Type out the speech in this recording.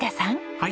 はい。